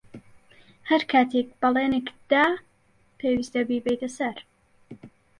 ھەر کاتێک بەڵێنێکت دا، پێویستە بیبەیتە سەر.